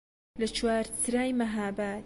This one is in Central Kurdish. لە چوارچرای مەهاباد